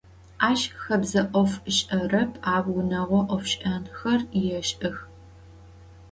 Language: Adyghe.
Aş xebze 'of ış'erep, au vuneğo 'ofş'enxer yêş'ex.